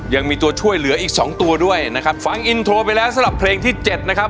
ยังมีตัวช่วยเหลืออีกสองตัวด้วยนะครับฟังอินโทรไปแล้วสำหรับเพลงที่เจ็ดนะครับ